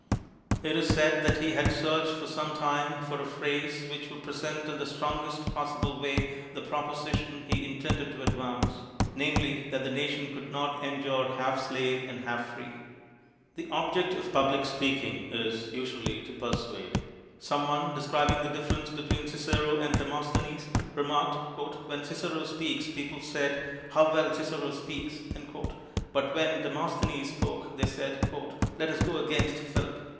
It is said that he had searched for some time for a phrase which would present in the strong est possible way the proposition he intended to advance — namely, that the nation could not endure half slave and half free. The object of public speaking usually is to INTRODUCTION persuade. Some one, in describing the difference between Cicero and Demosthenes, remarked : "When Cicero spoke people said: 'How well Cic ero speaks!' but when Demosthenes spoke they said, 'Let us go against Philip.'